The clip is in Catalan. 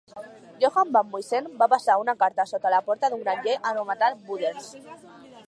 Johan van Muysen va passar una carta sota la porta d'un granger anomenat Wouters.